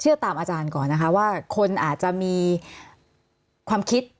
ตามอาจารย์ก่อนนะคะว่าคนอาจจะมีความคิด